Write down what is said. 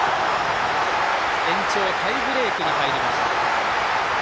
延長タイブレークに入りました。